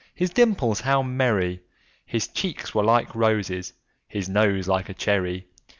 his dimples how merry! His cheeks were like roses, his nose like a cherry!